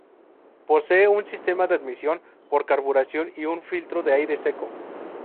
Posee un sistema de admisión por carburación y un filtro de aire seco.